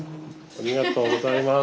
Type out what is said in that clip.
ありがとうございます。